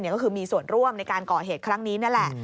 ก็คือมีส่วนร่วมในการก่อเหตุครั้งนี้นั่นแหละ